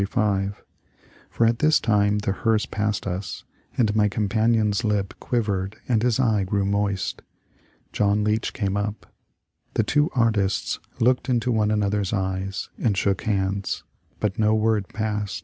For at this time the hearse passed us, and my com panion's lip quivered and his eye grew moist. John Leech came up. The two artists looked into one another's eyes and shook hands, but no word passed.